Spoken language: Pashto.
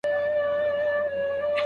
د هغې وینا تجزیه وسوه.